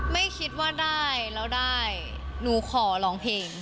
ไม่คิดว่าได้แล้วได้หนูขอร้องเพลง